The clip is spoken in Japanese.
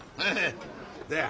どや？